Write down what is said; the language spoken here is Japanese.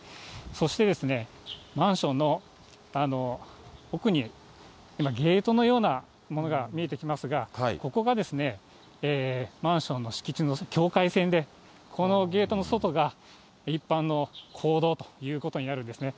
そしてマンションの奥に、ゲートのようなものが見えてきますが、ここがマンションの敷地の境界線で、このゲートの外が一般の公道ということになるんですね。